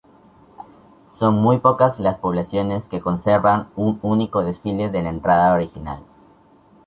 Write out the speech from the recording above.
Son muy pocas las poblaciones que conservan un único desfile de la Entrada original.